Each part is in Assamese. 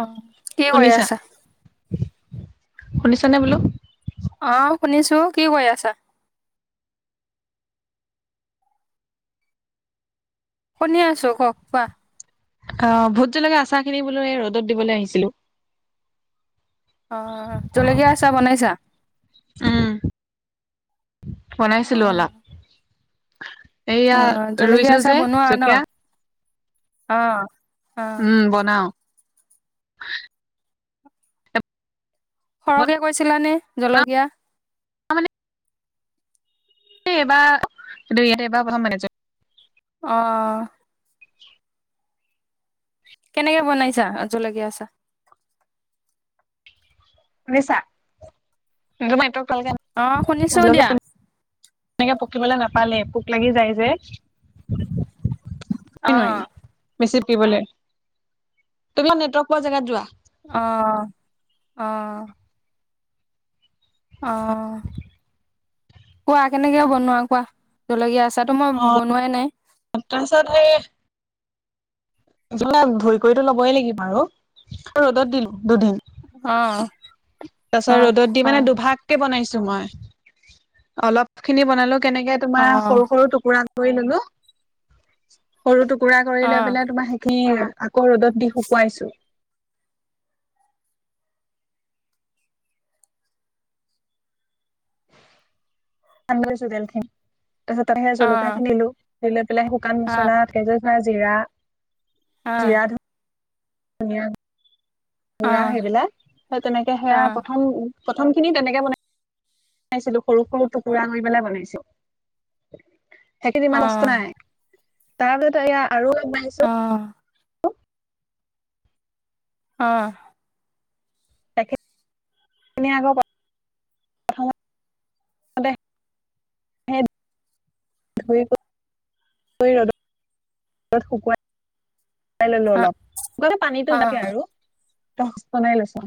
অঁ কি কৰি আছা শুনিছ নে বোলো অ' শুনিছোঁ। কি কৈ আছা? শুনি আছোঁ। কওঁক কোৱা। অ' ভোট জলকীয়া আচাৰখিনি বোলো এই ৰ'দত দিবলৈ আহিছিলোঁ। অ' জলকীয়া আচাৰ বনাইছা? অ বনাইছিলোঁ অলপ। এয়া অ জলকীয়া ৰুইছিলোঁ আচাৰ যে বনোৱা ন জলকীয়া? অ'। অ উম বনাওঁ। সৰহকে কৈছিলানে? জলকীয়া? মই মানে এইবাৰ- এইটো এইবাৰ প্ৰথম বনাইছোঁ। অ'। [inaudible] কেনেকে বনাইছা জলকীয়া আচাৰ? শুনিছা? তোমাৰ নেটৱক অ' শুনিছোঁ দিয়া। কিবলৈ নাপালে। পোক লাগি যায় যে। অ নোৱাৰি। বেছি কিবলৈ। তুমি নেটৱৰ্ক পোৱা জেগাত যোৱা। অ' - অ', অ' - অ'। অ'। কোৱা কেনেকে বনোৱা কোৱা, জলকীয়া আচা অ' তাৰপিছত সেই জলকীয়াতো ধুই কৰিতো ল'বই লাগিব আৰু। ৰ'দত দিলোঁ দুদিন। অ তাৰপাছত অ ৰ'দত দি অ মানে, দুভাগকে বনাইছ ছোঁ মই। অলপখিনি বনাল কেনেকে অ তোমাৰ সৰু-সৰু টুকুৰা কৰি ল'লো। সৰু টু কুৰা কৰি অ লৈ পেলাই তোমাৰ নি আকৌ ৰ'দত দি শুকুৱাইছোঁ। [unintelligible] তাৰছত তাতে সেই অ অ জলকীয়াখিনি দিলোঁ। দিলে লে শুকান মছলা বা জিৰা অ'। জিৰা ধনিয়া অ গুৰা অ সেইবিলাক, সেই তেনেকে অ সেয়া প্ৰথম প্ৰথম খিনি তেনেকে বনাই বাইছিলো, সৰু-সৰু টুকুৰা কৰি পেলাই বনাইছো। সেইখিনি ইমান কষ্ট নাই। তাৰ পিছত এয়া আৰু অলপ বঢ়াইছো। অহ। এইখিনি আকৌ ক অ' দে ধুই ক'ত ধুই ৰ'দত ৰ'দত শুকুৱাই শুকাই ললো অলপ, পানীটো যোৱাকে আৰু তই বনাই লৈছো,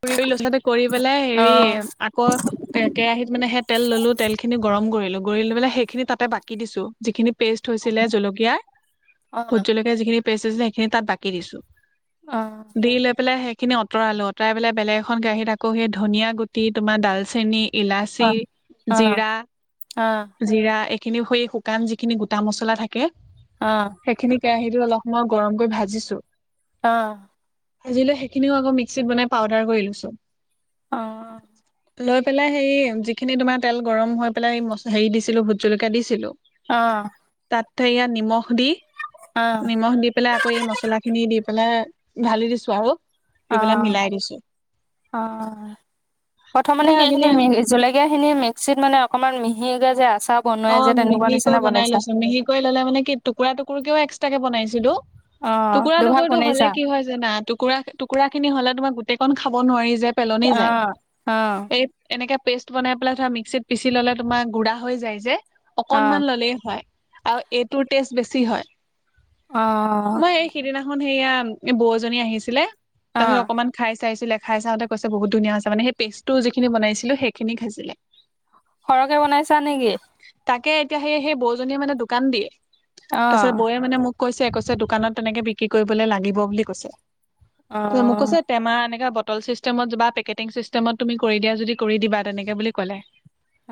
কৰি লৈছো কৰি পেলাই হেৰি আকৌ কেৰাহীত মানে সে তেল ললো, তেল খিনি গৰম কৰিলো। লগৰি লৈ পেলে সেইখিনি তাতে বাকি দিছো যিখিনি পেষ্ট হৈছিলে জলকীয়াৰ ভোট জলকীয়াৰ যিখিনি পেষ্ট হৈছিলে সেইখিনি তাত বাকি দিছো। দি লৈ পেলাই সেই সেইখিনি আঁতৰাই লও, আঁতৰাই পেলাই বেলেগ এখন কেৰাহীত আকৌ সেই ধনীয়া গুটি তোমাৰ ডালচেনি ইলাচি, জিৰা-জিৰা এই খিনি শুই শুকান যিখিনি গোটা মচলা থাকে। অহ। সেইখিনি কেৰাহীটোত অলপ সময় গৰমকৈ ভাজিছো। অ'। আজিলৈ সেইখিনিও আকৌ মিক্সিত বনাই পাউদাৰ কৰি লৈছো। অহ অ'। লৈ পেলাই হেৰি যিখিনি তোমাৰ তেল গৰম হৈ পেলাই হেৰি দিছিলো, ভোট জলকীয়া দিছিলো অহ। তাতে এয়া নিমখ দি নিমখ দি পেলাই আকৌ এই মছলা খিনি দি পেলাই ঢালি দিছো আৰু দি পেলাই অ', মিলাই দিছো -অ' প্ৰথমে কি সেয়া খিনি এইখিনি জলেকীয়া খিনি মিক্সিত মানে অকমান মিহি মিহিকে যে আচাৰ অ বনোৱাই যে তেনেকুৱা মিহিকৈ নিচিনা বনাই বনাইছা লৈছো মিহিকৈ ললে মানে কি টুকুৰা টুকুৰি কিয়ও এক তাকে বনাইছিলো অ টুকুৰা দুভাগ টুকুৰাটো হলে বনাইছা কি হয় জানা টুকুৰা- টুকুৰা খিনি হ'লে তোমাৰ কন খাব নোৱাৰি যে পেলনি অ যায় অ এই এনেকে পেষ্ট বনাই পেলাই ধ মিক্সিত পিচি ল'লে তোমাৰ গুডা হৈ যায়ছে অ অকনমান ল'লেই হয় আৰু এইটোৰ টেষ্ট বেছি হয় অ মই এইকেইদিনা খন সেয়া বৌজনী আহিছিলে অ তাচত অকমান খাই চাইছিলে খাই চাওঁতে কৈছে বহুত ধুনীয়া হৈছে মানে সেই পেষ্টটো যিখিনি বনাইছিলো সেইখিনি খাইছিলে সৰহকে বনাইছে তাকে তেতিয়া সেই- সেই বৌজনীয়ে মানে দোকান দিয়ে অ তাৰপিছত বৌয়ে মানে মোক কৈছে -কৈছে দোকানত তেনেকে বিক্ৰী কৰিবলৈ লাগিব বুলি কৈছে ত মোক অ কৈছে টেমা এনেকা বত তল চিষ্টেমত বা পেকেটিং চিষ্টেমত তুমি কৰি দিয়া যদি কৰি দিবা তেনেকে বুলি ক'লে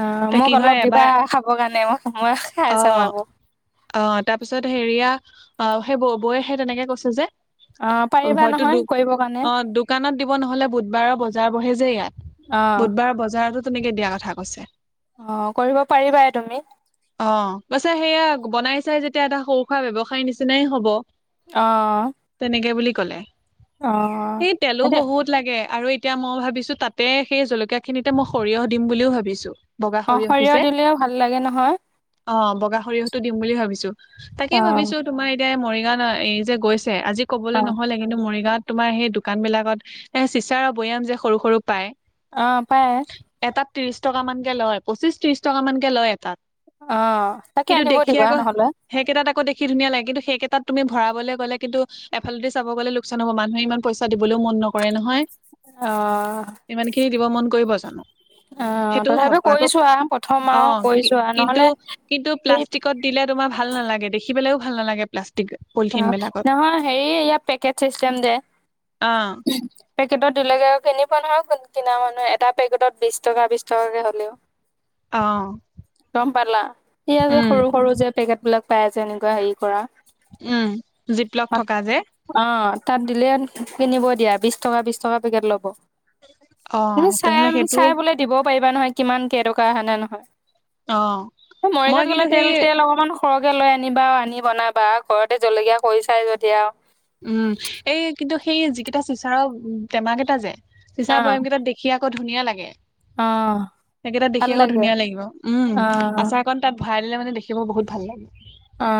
অ এতিয়া মোক কি হয় অলপ দিবা এবাৰ খ খাব কাৰণে মই খাইছ অ' ৰব অ তাৰ পিছত হেৰিয়া অ সেই ব বৌয়ে সেই তেনেকে কৈছে অ যে পাৰিবা হয়তো নহয় দু কৰিবৰ কাৰণে অ দোকানত দিব নহলে বুধবাৰে বজাৰ বহে যে অ ইয়াত বুধবাৰৰ বজাৰতো তুনেকে দিয়া কথা কৈছে অ কৰিব পাৰিবাই তুমি অহ কছে সেইয়া বনাই চাই যেতিয়া এটা সৰু সুৰা ব্যৱসায় নিচিনাই হব আহ তেনেকে বুলি কলে সেই তেলো বহুত লাগে আৰু এতিয়া মই ভাবিছো তাতে সেই জলকীয়া খিনিতে মই সৰিয়হ দিম বুলিও ভাবিছো বগা অ সৰিয়হতো সৰিয়হ যে দিলেও ভাল লাগে নহয় অ বগা সৰিয়হতটো দিম বুলি ভাবিছো তাকেই অ ভাবিছো তোমাৰ [unintelligible] মৰিগাঁও এই যে গৈছে- আজি ক'বলৈ অ নহ'লে কিন্তু মৰিগাঁৱত- তোমাৰ সেই দোকান বিলাকত এ চিচাৰৰ বৈয়াম যে সৰু সৰু পায়। অ পায়। এটাত ত্ৰিশ টকা মানকে লয় পচিশ ত্ৰিশ টকা মান কে লয় এটাত। অ তাকে কিন্তু আনিব দেখি দিবা আকৌ নহ'লে সেইকেইটাত আকৌ দেখি ধুনীয়া লাগে কিন্তু সেইকেইটাত তুমি- ভৰাবলে গ'লে কিন্তু এফালতে চাব গ'লে লোকচান হ'ব, মানুহে ইমান পইচা দিবলৈও মন নকৰে নহয়। অ ইমান খিনি দিব মন কৰিব- জানো অ সেইটোও ভাব তথাপি আকৌ কৰিছো আহ প্ৰথম- অ আৰু কৰি কি চোৱা কিন্তু নহ'লে কিন্তু সেই প্লাষ্টিকত দিলে তোমাৰ ভাল নালাগে দেখি। দেখিবলৈও ভাল নালাগে প্লাষ্টিক - অ নহয় হেৰি ইয়াত পেকেট চিষ্টেম যে, অ পেকেটত- দুলৈকে আৰু কিনিব নহয় কিনা মানুহ এটা পেকেটত বিশ টকা বিশ টকাকে হ'লেও- অ গম পালা সেয়া যে উম সৰু সৰু যে পেকেট বিলাক- পাই যে এনেকোৱা হেৰি কৰা। উম জীপ লগ থকা যে। অ তাত দিলে কিনিব দিয়া বিশ টকা বিশ টকা পেকেট ল'ব। অ কিন্তু চাই তেনেহ'লে চাই সেইটো চাবলে দিব- পাৰিবা নহয় কিমান কেইটকা হয় নে নহয়। অ মই মৰিগাঁৱত গ'লে কিন্তু তেল সেই তেল অকণমান- সৰহকে লৈ আনিবা আনি বনাবা। ঘৰতে জলকীয়া কৰি চায় যদি আৰু। উম এই কিন্তু সেই যিকেইটা চিচাৰৰ টেমা কেইটা যে- চিচা অ বৈয়াম কেইটা দেখিয়ে - আকৌ ধুনীয়া লাগে। অ সেইকেইটা দেখি ভাল আকৌ লাগে ধুনীয়া লাগিব, উম অ আচাৰ কন তাত ভাল- খাই দিলে মানে দেখিব বহুত ভাল লাগে। অ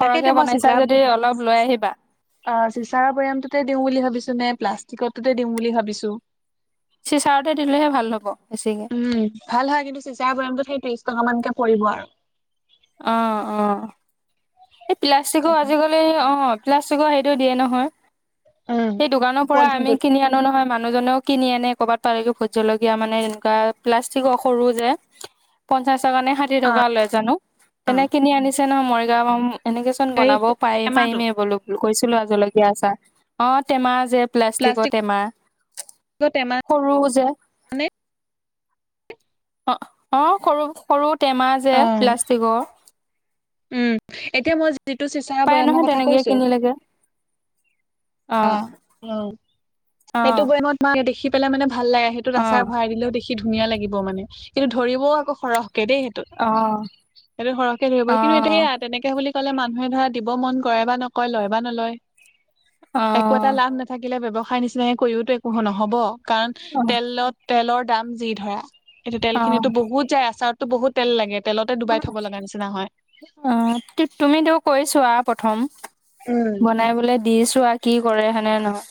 তাকে বনাইছা যদি অলপ লৈ আহিবা। অ চিচাৰ বৈয়ামটোতে দিওঁ বুলি ভাবিছো, নে প্লাষ্টিকটোতে দিওঁ বুলি ভাবিছো। চিচাৰতে দিলেহে ভাল হ'ব বেছিকে উম ভাল হয় কিন্তু চিচাৰ বৈয়ামটো সেই ত্ৰিশ টকা মানকে- পৰিব আৰু। অহ অহ। এই প্লাষ্টিকৰ আজিকালি অ- প্লাষ্টিকৰ সেইটো দিয়ে নহয় উম সেই দোকানৰ পৰা আমি পলিথিনটোত কিনি আনো নহয় মা মানুহজনেও কিনি আনে কবাত পালে ভোট জলকীয়া মানে এনেকোৱা প্লাষ্টিকৰ সৰু যে পঞ্চাশ টকা নে ষাঠি অ টকা লয় জানো এনে কিনি আনিছে আছে নহয় মৰিগাঁওপা উম এনেকে চোন এই বনাবও পাৰি টেমাটো পাৰিমেই বোলো। কৈছিলো আও জলকীয়া আচাৰ অ টেমা যে প্লাষ্টিকৰ টেমাহ টেমা সৰুও যে নে অ অ সৰু সৰু টেমা যে অ প্লাষ্টিকৰ। উম এতিয়া মই যে যিটো চিচাৰ পাই বৈয়ামৰ নহয় কথা তেনেকে কৈছো কিনিলেগে অ উ অ সেইটো বয়েমত তোমাকে দেখি পেলাই মানে ভাল লাগে সেইটো অ অ আচাৰ ভৰাই দিলেও দেখি সি ধুনীয়া লাগিব মানে কিন্তু ধৰিবও আকৌ সৰহ দেই সেইটোত সেইটো সৰহকে ধৰিব অ কিন্তু এতিয়া সেয়া তেনেকে বুলি কলে মানুহে ধৰা দিব মন কৰে বা নকয় লয় বা নলয়। অ একো এটা লাভ নাথাকিলে ব্যৱসায়। হয় নি স্নেহ কৰিও তো একো নহব কাৰণ তেলত তেলৰ দাম যি ধৰা এতিয়া তেল অ খিনিতো বহুত যায় আচাৰত তো বহুত তেল লাগে তেলতে ডুবাই থব লগা নিচিনা হয়। অ তুমিতো কৈ‌ চোৱা প্ৰথম উম বনা বলে দিছো। কোৱা কি কৰে সেনে নহয়।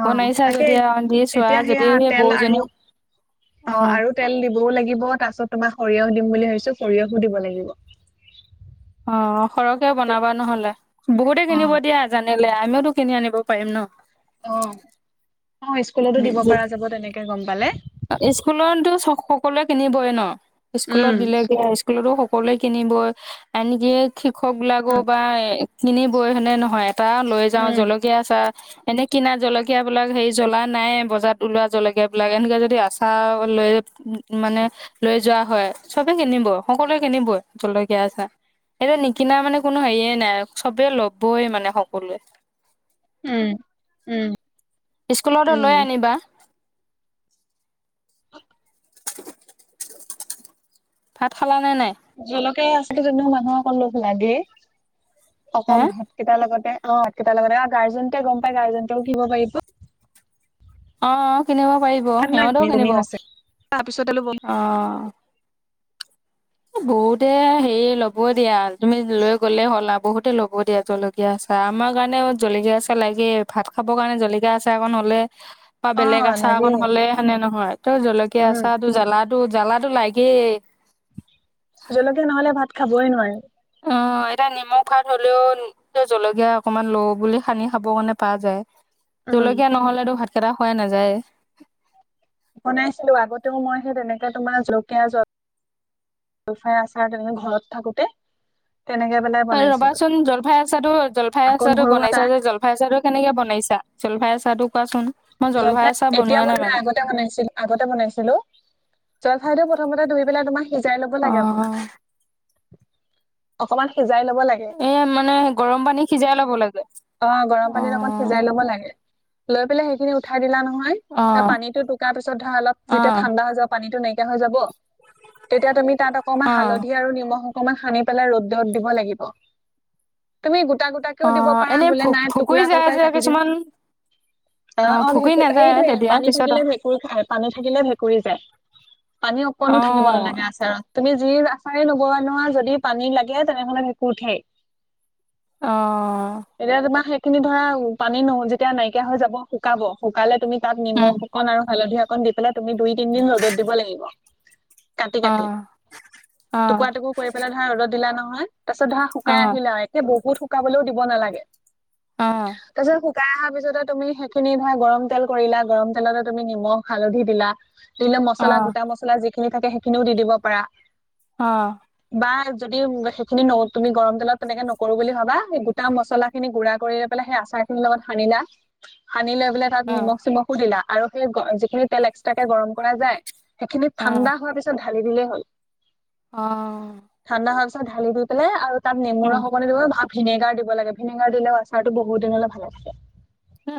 অ বনাইছা তাকে যদি আৰু দি চোৱা এতিয়া সেয়া যদি সেই তেল আৰু বৌজনীক অ আৰু তেল দিবও লাগিব তাৰ পিছত তোমাক সৰিয়হ দিম বুলি ভাবছো সৰিয়হো দিব লাগিব দিব লাগিব অ সৰহকে বনাবা নহলে বহুতে অ কিনিব দিয়া জানি আমিওঁতো কিনি আনিব পাৰিম ন অঁ পালে স্কুলতো সকলোৱে। কিনিবই ন উম স্কুলত দিলে কি সকলোৱে কিনিবই এনেকে উম [unintelligible] কিনিবই হেনে নহয়। চাহ লৈ যাওঁ। উম জলকীয়া, চাহ এনে কিনা জলকীয়াবিলাক হেৰি জ্বলাই নাইয়ে। বজাৰত ওলোৱা জলকীয়াবিলাক। এনেকে যদি আচাৰ লৈ মানে লৈ যোৱা হয়, চবে কিনিব সকলোৱে কিনিবই জলকীয়া আচাৰ। এতিয়া নিকিনা মানে কোনো হেৰিয়ে নাই। চবে ল'বই মানে সকলোৱে উম, উম। স্কুলতো উম, লৈ আনিবা। ভাত খালা? নে নাই জলকীয়া আছিল কিন্ত মানুহক অলপ লাগেই। অকন হে ভাত কেইটাৰ লগতে অ, ভাতকেইটা লগতে। গাৰ্জেনটে গম পাই গাৰ্জেনও কিনিব পাৰিব। অ। কিনিব পাৰিব, তাত নাই সিহঁতেও কমি কমি কিনিব। হৈছে তাৰপিছত অলপ অ। বহুতে হেৰি লব দিয়া। তুমি লৈ গলে হ'ল আও। বহুতে ল'ব দিয়া জলকীয়া আচাৰ। আমাৰ কাৰণে জলকীয়া আচাহ লাগেই। ভাত খাব কাৰণে জলকীয়া আচাৰকন হলে বা অ বেলেগ আচাৰ অকন লাগেই হলে, সেনে নহয় ত জলকীয়া উম আচাৰ তো জ্বলা জ্বালাটো লাগেই জলকীয়া নহলে ভাত খাবই নোৱাৰি। অ, এতিয়া নিমখ ভাত হলেওঁ জলকীয়া অকমান লওঁ বুলি সানি খাব কাৰণে পাৰ যায়। উম জলকীয়া নহলেতো ভাত একেটা খোৱাই নাযায়। বনাইছিলো। আগতেওঁ মই সেই তেনেকে তোমাৰ জলকীয়া জল জলফাই আচাৰ তেনেক ঘৰত থাকোতে। তেনেকে পেলাই বনাইছিলো ৰবাচোন জলফাই আচাৰটো জলফাই আকৌ আচাৰটো নহৰু বনাইছা আচাৰ যে জলফাই আচাৰটো কেনেকে বনাইছা? জলফাই আচাৰ টো কোৱাচোন মই জলফাই এতিয়া বনোৱা নাই। মই আগতে বনাইছিলো, আগতে বনাইছিলো। জলফাই প্ৰথমতে ধুই পেলাই তোমাৰ সিজাই ল'ব এ লাগে অকমান। অকমান সিজাই ল'ব লাগে এ মানে গৰম পানী সিজাই ল'ব লাগে। অ গৰম পানীত অকণ অ', সিজাই লব লাগে। লৈ পেলাই সেইখিনি উঠাই দিলা নহ নহয়। অ', পানী টো টোকা পিছত ধৰা অলপ অ', ঠাণ্ডা হৈ যাব যেতিয়া পানীটো তেতিয়া তুমি তাত অকমান হালধী আৰু নিমখ অকমান সানি পেলাই ৰ'দ ৰ'দত দিব লাগিব। তুমি গোট গোটা গোটাকেও দিব পা অ', পাৰা এনেই বোলে ভু নাই, ভুকুৰি টুকুৰা যায় কৈ-কৈ যে কাটি দিওঁ। কিছুমান অ' অ' ভুকুৰি ভেঁকু নাযায় সেইটোৱেই, তেতিয়া পানী পিছত থাকিলে ভেঁকুৰি যায়, পানী থাকিলে ভেঁকুৰি যায়। পানী অকণো থাকিব অ', নালাগে আচাৰত, তুমি যি আচাৰে নবনোৱা, যদি পানী লাগে তেনেহ'লে ভেঁকুৰ উঠেই। অ'। এতিয়া তোমাৰ সেই খিনি ধৰা, পানী ন যেতিয়া নাইকিয়া হৈ যাব, শুকাব। শুকালে তুমি তাত উম, নিমখ অকন আৰু হালধি অকণ দি পেলাই তুমি দুই তিন-দিন ৰ'দত দিব লাগিব। কাটি-কাটি, অ', অ', টুকুৰা-টুকুৰ কৰি পেলাই ধৰা ৰ'দত দিলা নহয়! হয়। তাৰ পিছত ধৰা অ', শুকাই অ', আহিলে আও, এতিয়া বহুত শুকাবলৈও দিব নালাগে। [inaudible] অ', তাৰপাছত শুকাই অহা পিছতে তুমি সেইখিনি ধৰা, গৰমতেল কৰিলা, গৰমতেলতে তুমি নিমখ হালধি দিলা। দিলে অ', মছলা, গোটা মছলা যি তুমি তাতে সেইখিনিও দি দিব পাৰা। বা যদি সেইখিনি ন তুমি গৰমতেলত তেনেকে নকৰো বুলি ভাবা, সেই গোটা মছলা সেইখিনি গুড়া কৰি লৈ পেলাই সেই আচাৰখিনিৰ লগত সানিলা। সানি লৈ পেলাই তাত নিমখ-চিমখো দিলা। আৰু সেই যিখিনি তেল এক্সট্ৰাকে গৰম কৰা যায়। সেইখিনি অ', অ', ঠাণ্ডা হোৱাৰ পিছত ঢালি দিলেই হ'ল। অ'। ঠাণ্ডা হোৱাৰ ঢালি দি পেলাই আৰু তাত উম, নেমুৰস অকণ দিবা ভা ভিনেগাৰ দিব লাগে। ভিনেগাৰ দিলে আচাৰটো বহুত দিনলৈ ভালে থাকে। অ'।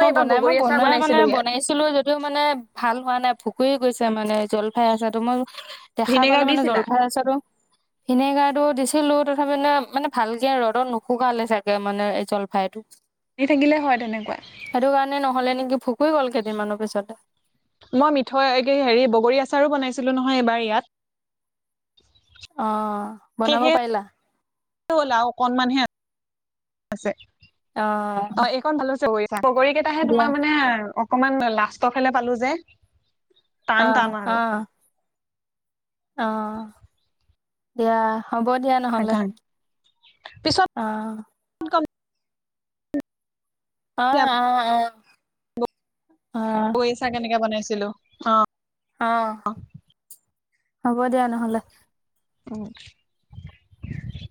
মই এইবাৰ বনাই, বগৰী মই আচাৰ বনাই মানে বনাইছিলো ইয়াত বনাইছিলো যদিও মানে, ভাল হোৱা নাই। ভোক কুৰি গৈছে মানে জলফাই আচাৰ, মোৰ দেখা পালে ভিনেগাৰ মানে দিছিলা জলফাই আচাৰটো, ভিনেগাৰটো দিছ দিলোঁ, তথাপি মানে ভালকে ৰ'দত নুশুকালে চাগে, মানে এই জলফাইটো। পানী থাকিলে হয় তেনেকুৱা। ভুকু গ'ল কেইদিনমানৰ পিছতে মই মিঠৈ হেৰি বগৰী আচাৰো বনাইছিলো নহয় এবাৰ ইয়াত অ বনাব হেহে পাৰিলা হ'লা আৰু অকনমান হে [unintelligible] আছে অ অ এইখন ভাল আছে ব বগৰী কেইটাহে তোমাৰ দিয়া মানে অকমান লাষ্টৰ ফালে পালো যে টান অ টান আৰু আহ অ এয়া হ'ব দিয়া নহলে সেইকাৰণে পিছত অ আহ -আহ -আহ -আহ ছিলো অ আহ হব দিয়া নহলে উ [unintelligible]